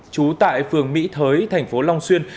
chú tại phường mỹ thới thành phố long xuyên